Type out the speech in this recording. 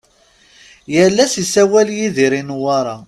Yal ass isawal Yidir i Newwara.